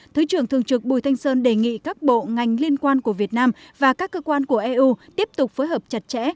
thứ trưởng thường trực bùi thanh sơn đề nghị các bộ ngành liên quan của việt nam và các cơ quan của eu tiếp tục phối hợp chặt chẽ